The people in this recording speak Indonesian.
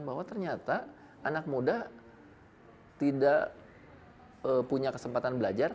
bahwa ternyata anak muda tidak punya kesempatan belajar